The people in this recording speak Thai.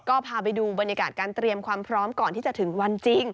ก็พาไปดูบรรยากาศการเตรียมความพร้อมก่อนที่จะถึงวันจริง